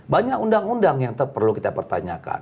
banyak undang undang yang perlu kita pertanyakan